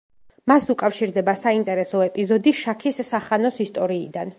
მას უკავშირდება საინტერესო ეპიზოდი შაქის სახანოს ისტორიიდან.